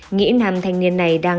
nghĩ nam thanh niên này đang